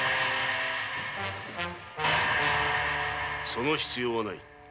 その必要はない。